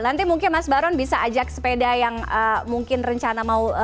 nanti mungkin mas baron bisa ajak sepeda yang mungkin rencana mau